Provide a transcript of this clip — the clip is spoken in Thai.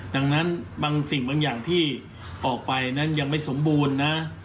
ดังนั้นบางสิ่งบางอย่างที่ออกไปนั้นยังไม่สมบูรณ์นะ